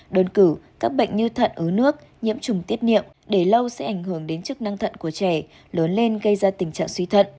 đơn cử các bệnh như thận ứ nước nhiễm trùng tiết niệm để lâu sẽ ảnh hưởng đến chức năng thận của trẻ lớn lên gây ra tình trạng suy thận